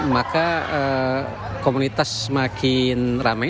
maka komunitas semakin ramai